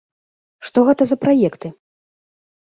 Што гэта за праекты?